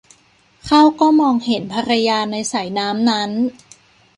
เข้าก็มองเห็นภรรยาในสายน้ำนั้น